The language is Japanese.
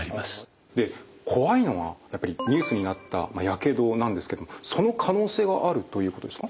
で怖いのはやっぱりニュースになったやけどなんですけどもその可能性があるということですか？